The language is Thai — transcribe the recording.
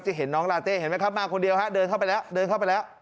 เห็นน้องลาเต้เห็นไหมครับมาคนเดียวฮะเดินเข้าไปแล้วเดินเข้าไปแล้ว